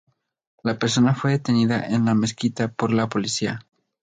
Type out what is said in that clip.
Una persona fue detenida en la mezquita por la policía.